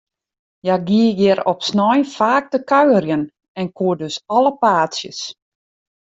Hja gie hjir op snein faak te kuierjen, en koe dus alle paadsjes.